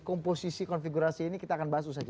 komposisi konfigurasi ini kita akan bahas usai